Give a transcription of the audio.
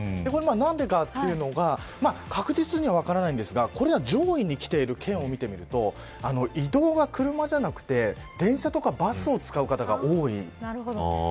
なんでかというのが確実には分かりませんが上位にきている県を見てみると移動が、車じゃなくて電車とかバスを使う方が多い。